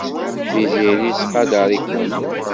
Tiziri tettqadar-iken.